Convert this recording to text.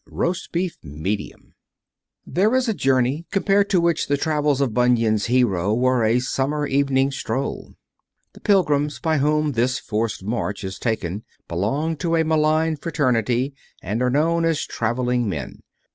I ROAST BEEF, MEDIUM There is a journey compared to which the travels of Bunyan's hero were a summer evening's stroll. The Pilgrims by whom this forced march is taken belong to a maligned fraternity, and are known as traveling men.